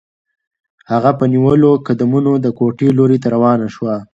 هغه په نیولو قدمونو د کوټې لوري ته روانه شوه.